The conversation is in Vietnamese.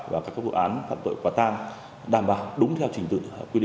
và các vụ án phạt tội quả tan đảm bảo đúng theo trình tự